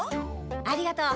ありがとう。